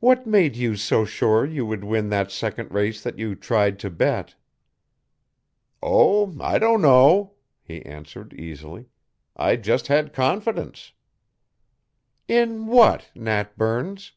What made you so sure you would win that second race that you tried to bet?" "Oh, I don't know," he answered easily. "I just had confidence " "In what, Nat Burns?